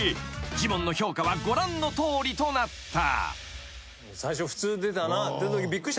ジモンの評価はご覧のとおりとなった］